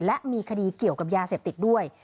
และมีคดีเกี่ยวกับยาเสพติดด้วย